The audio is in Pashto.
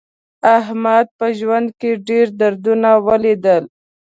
احمد په ژوند کې ډېر دردونه ولیدل.